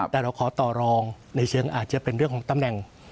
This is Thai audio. แต่เราขอต่อรองในเชิงอาจจะเป็นเรื่องของตำแหน่ง